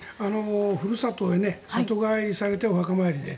ふるさとへ里帰りされてお墓参りで。